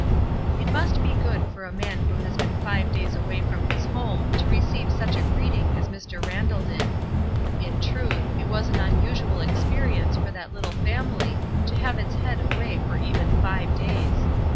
It must be good for a man who has been five days away from his home to receive such a greeting as Mr. Randall did. In truth, it was an unusual experience for that Uttle family to have its head away for even five days.